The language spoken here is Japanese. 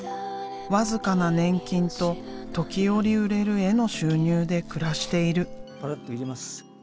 僅かな年金と時折売れる絵の収入で暮らしている。